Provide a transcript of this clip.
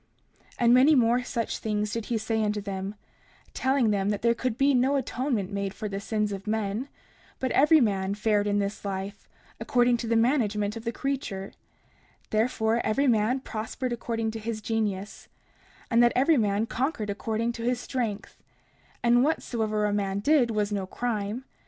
30:17 And many more such things did he say unto them, telling them that there could be no atonement made for the sins of men, but every man fared in this life according to the management of the creature; therefore every man prospered according to his genius, and that every man conquered according to his strength; and whatsoever a man did was no crime.